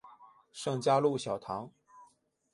圣嘉禄小堂。